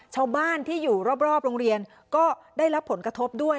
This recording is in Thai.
ชาวบ้านที่อยู่รอบโรงเรียนก็ได้รับผลกระทบด้วย